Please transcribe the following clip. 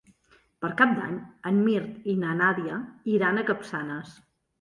Per Cap d'Any en Mirt i na Nàdia iran a Capçanes.